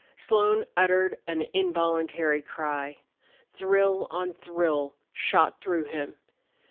Slone uttered an involuntary cry. Thrill on thrill shot through him.